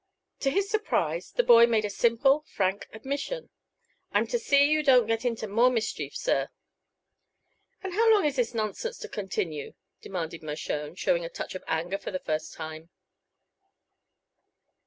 To his surprise the boy made a simple, frank admission. "I'm to see you don't get into more mischief, sir." "And how long is this nonsense to continue?" demanded Mershone, showing a touch of anger for the first time.